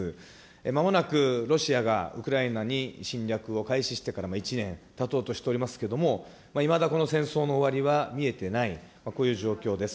まもなくロシアがウクライナに侵略を開始してから１年たとうとしておりますけれども、いまだこの戦争の終わりは見えてない、こういう状況です。